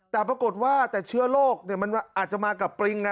แต่ปรากฏว่าแต่เชื้อโรคมันอาจจะมากับปริงนะ